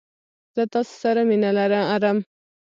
زه تاسې سره مينه ارم!